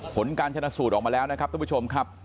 ผลการชนะสูตรออกมาแล้วนะครับท่านผู้ชมครับ